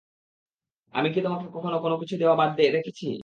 আমি কি তোমাকে কখনো কোনোকিছু দেয়া বাদ রেখেছি?